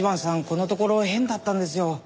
このところ変だったんですよ。